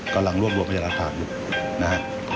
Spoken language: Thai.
กำลังร่วมรวมประจำถามอยู่นะครับ